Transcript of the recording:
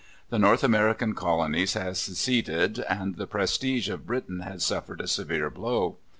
The North American colonies had seceded, and the prestige of Britain had suffered a severe blow.